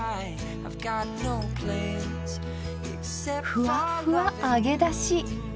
ふわふわ揚げだし。